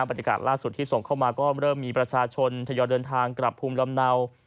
บรรยากาศล่าสุดที่ส่งเข้ามาก็เริ่มมีประชาชนทยอยเดินทางกลับภูมิลำเนา